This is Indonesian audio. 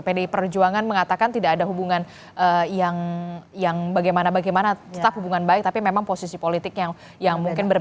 pdi perjuangan mengatakan tidak ada hubungan yang bagaimana bagaimana tetap hubungan baik tapi memang posisi politik yang mungkin berbeda